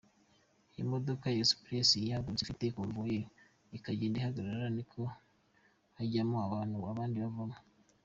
Iyi modoka ya express yahagurutse ifite convuwayeri ikagenda ihagarara ariko hajyamo abantu abandi bavamo.